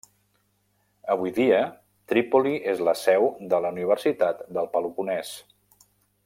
Avui dia, Trípoli és la seu de la Universitat del Peloponès.